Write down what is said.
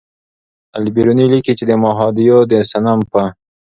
البېروني لیکي چې د مهادیو د صنم په